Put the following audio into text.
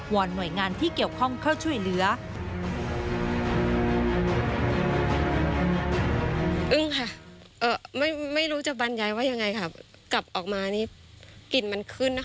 อนหน่วยงานที่เกี่ยวข้องเข้าช่วยเหลือ